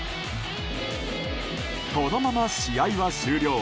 そのまま試合は終了。